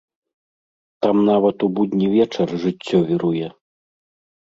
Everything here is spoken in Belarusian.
Там нават у будні вечар жыццё віруе.